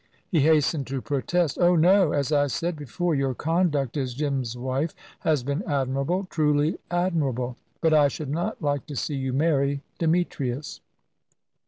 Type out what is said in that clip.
He hastened to protest. "Oh no. As I said before, your conduct as Jim's wife has been admirable truly admirable. But I should not like to see you marry Demetrius."